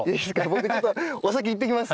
僕ちょっとお先に行ってきます。